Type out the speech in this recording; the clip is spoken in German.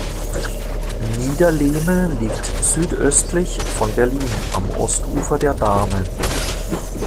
Niederlehme liegt südöstlich von Berlin, am Ostufer der Dahme.